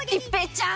ちゃーん！